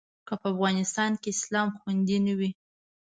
که په افغانستان کې اسلام خوندي نه وي.